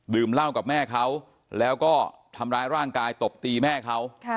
เหล้ากับแม่เขาแล้วก็ทำร้ายร่างกายตบตีแม่เขา